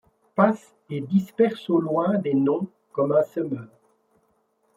Passe et disperse au loin des noms comme un semeur ;